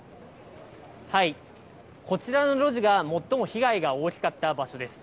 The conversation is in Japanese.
こちらの路地が、最も被害が大きかった場所です。